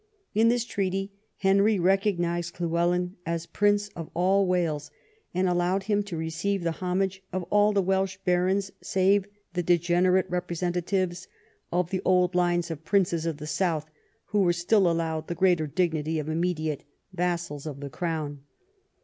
In this treaty Henry recognised Llywelyn as prince of all Wales, and allowed him to receive the homage of all the Welsh barons save the degenerate representatives of the old line of princes of the south, who were still allowed the greater dignity of immediate vassals of the Crown.